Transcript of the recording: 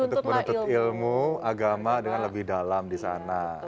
untuk menuntut ilmu agama dengan lebih dalam di sana